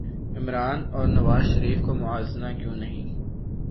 عمرا ن اور نواز شریف کا موازنہ کیوں نہیں